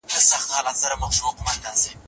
د توحيد رڼا په هر زړه کي روښانه کړئ.